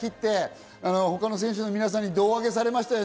テープ切って、他の選手の皆さんに胴上げされましたよね。